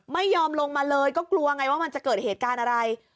ไม่ยอมลงมาเลยก็กลัวไงว่ามันจะเกิดเหตุการณ์อะไร